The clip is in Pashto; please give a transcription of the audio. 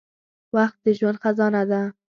• وخت د ژوند خزانه ده.